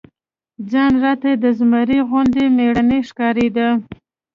ځان راته د زمري غوندي مېړنى ښکارېده.